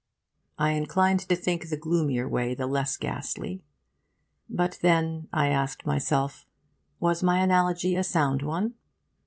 I inclined to think the gloomier way the less ghastly. But then, I asked myself, was my analogy a sound one?